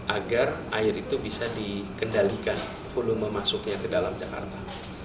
agar air itu bisa dikendalikan volume masuknya ke dalam jakarta